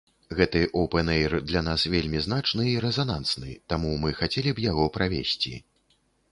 Гэты оўпэн-эйр для нас вельмі значны і рэзанансны, таму мы хацелі б яго правесці.